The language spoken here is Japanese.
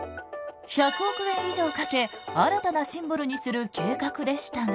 １００億円以上かけ新たなシンボルにする計画でしたが。